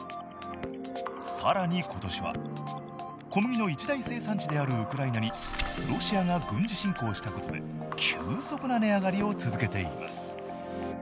更に今年は小麦の一大生産地であるウクライナにロシアが軍事侵攻したことで急速な値上がりを続けています。